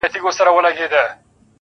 که نه وي خپل پردي، ستا په لمن کي جانانه,